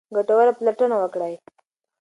ګټوره پلټنه وکړئ.